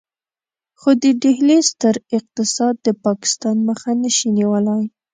خو د ډهلي ستر اقتصاد د پاکستان مخه نشي نيولای.